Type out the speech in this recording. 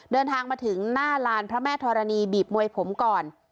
เดินทางมาถึงหน้าลานพระแม่ธรณีบีบมวยผมก่อน